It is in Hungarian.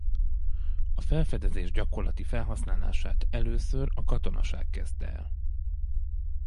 A felfedezés gyakorlati felhasználását először a katonaság kezdte el.